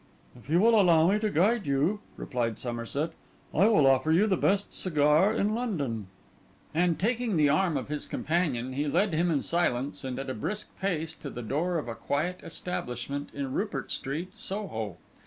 'If you will allow me to guide you,' replied Somerset, 'I will offer you the best cigar in London.' And taking the arm of his companion, he led him in silence and at a brisk pace to the door of a quiet establishment in Rupert Street, Soho.